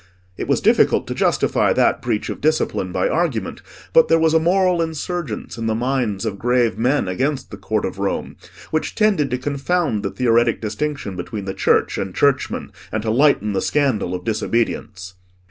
It was difficult to justify that breach of discipline by argument, but there was a moral insurgence in the minds of grave men against the Court of Rome, which tended to confound the theoretic distinction between the Church and churchmen, and to lighten the scandal of disobedience.